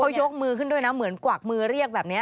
เขายกมือขึ้นด้วยนะเหมือนกวักมือเรียกแบบนี้